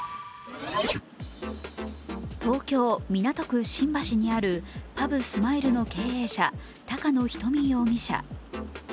東京・港区新橋にあるパブｓｍｉｌｅの経営者、高野ひとみ容疑者。